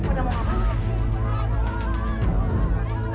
udah mau apaan